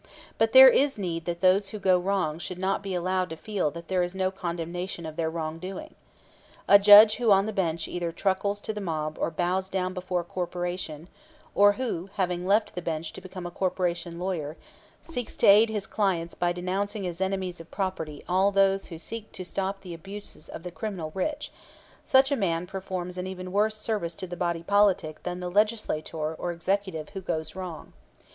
But there is need that those who go wrong should not be allowed to feel that there is no condemnation of their wrongdoing. A judge who on the bench either truckles to the mob or bows down before a corporation; or who, having left the bench to become a corporation lawyer, seeks to aid his clients by denouncing as enemies of property all those who seek to stop the abuses of the criminal rich; such a man performs an even worse service to the body politic than the Legislator or Executive who goes wrong.